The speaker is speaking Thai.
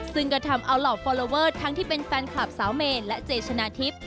ซึ่งก็ทำเอาเหล่าฟอลลอเวอร์ทั้งที่เป็นแฟนคลับสาวเมนและเจชนะทิพย์